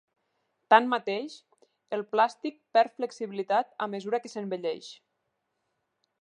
Tanmateix, el plàstic perd flexibilitat a mesura que s'envelleix.